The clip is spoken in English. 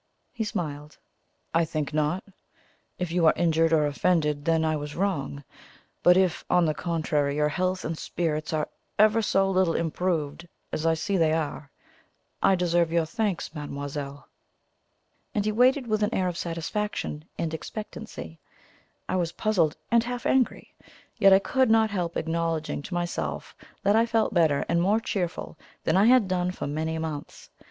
He smiled. "I think not. If you are injured or offended, then I was wrong; but if, on the contrary, your health and spirits are ever so little improved, as I see they are, I deserve your thanks, mademoiselle." And he waited with an air of satisfaction and expectancy. I was puzzled and half angry, yet I could not help acknowledging to myself that I felt better and more cheerful than I had done for many months.